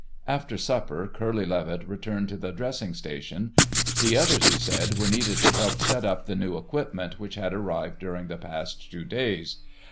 After supper, Curly Levitt returned to the dressing station. The others, he said, were needed to help set up the new equipment which had arrived during the past two days.